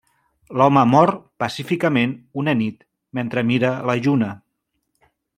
L'home mor pacíficament una nit, mentre mira la lluna.